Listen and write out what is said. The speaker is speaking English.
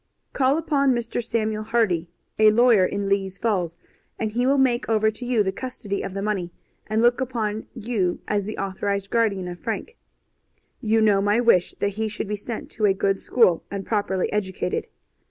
Call upon Mr. Samuel Hardy, a lawyer in Lee's Falls, and he will make over to you the custody of the money, and look upon you as the authorized guardian of Frank. You know my wish that he should be sent to a good school and properly educated.